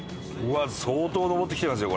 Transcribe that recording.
相当上ってきてますよ